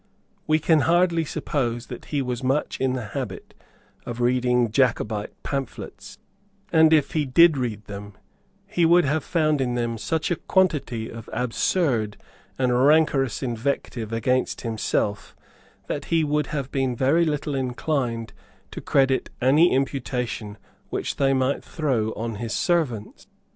We can hardly suppose that he was much in the habit of reading Jacobite pamphlets; and, if he did read them, he would have found in them such a quantity of absurd and rancorous invective against himself that he would have been very little inclined to credit any imputation which they might throw on his servants.